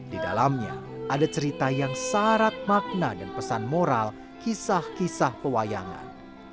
di dalamnya ada cerita yang syarat makna dan pesan moral kisah kisah pewayangan